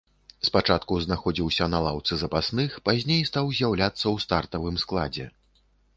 Спачатку знаходзіўся на лаўцы запасных, пазней стаў з'яўляцца ў стартавым складзе.